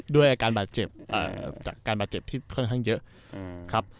ด้วยอาการบาดเจ็บจากการบาดเจ็บที่ค่อนข้างเยอะครับ